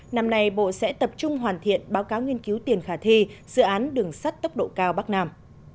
năm nay bộ sẽ tập trung hoàn thiện báo cáo nghiên cứu tiền khả thi dự án đường sắt tốc độ cao bắc nam